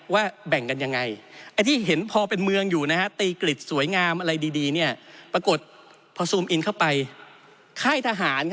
ว่าแบ่งกันยังไงไอ้ที่เห็นพอเป็นเมืองอยู่นะฮะ